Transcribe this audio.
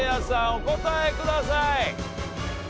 お答えください。